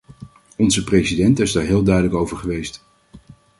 Onze president is daar heel duidelijk over geweest.